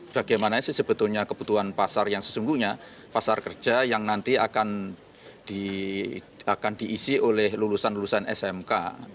bagaimana sih sebetulnya kebutuhan pasar yang sesungguhnya pasar kerja yang nanti akan diisi oleh lulusan lulusan smk